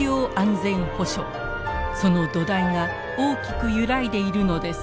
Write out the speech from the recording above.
その土台が大きく揺らいでいるのです。